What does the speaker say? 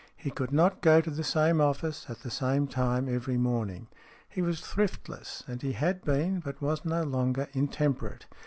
He could not go to the same office at the same time every morning. He was thriftless, and he had been, but was no longer, intemperate.